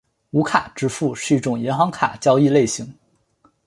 无卡支付是一种银行卡交易类型。